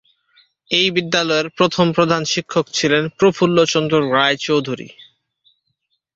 এই বিদ্যালয়ের প্রথম প্রধান শিক্ষক ছিলেন প্রফুল্ল চন্দ্র রায় চৌধুরী।